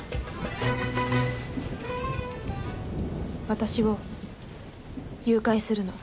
私を誘拐するの。